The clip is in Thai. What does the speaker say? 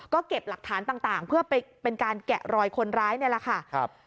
ก็เก็บหลักฐานต่างเพื่อไปเป็นการแกะรอยคนร้ายนี่แหละค่ะ